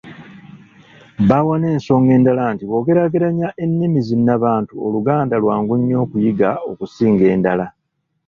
Baawa n'ensonga endala nti bwogeraageranya ennimi zinnabantu Oluganda lwangu nnyo okuyiga okusinga endala.